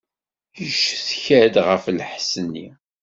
Yeccetka-d ɣef lḥess-nni.